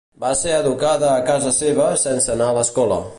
Va ser educada a casa seva sense anar a l'escola.